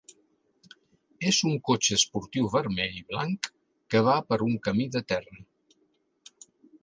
És un cotxe esportiu vermell i blanc que va per un camí de terra.